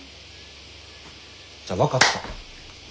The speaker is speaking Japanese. じゃあ分かった。